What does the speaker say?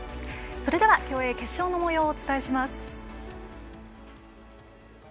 それでは競泳決勝のもようをお伝えします。